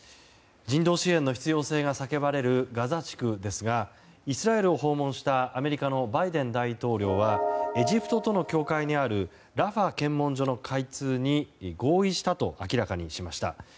人道支援の必要性が叫ばれるガザ地区ですがイスラエルを訪問したアメリカのバイデン大統領はエジプトとの境界にあるラファ検問所の開通に合意したと明らかにしました。